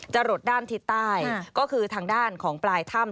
หลดด้านทิศใต้ก็คือทางด้านของปลายถ้ำ